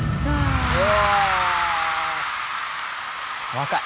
若い。